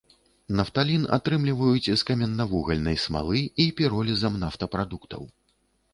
Нафталін атрымліваюць з каменнавугальнай смалы і піролізам нафтапрадуктаў.